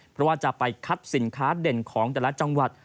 เพราะว่าจะไปคัดสินค้าเด่นของแต่ละจังหวัด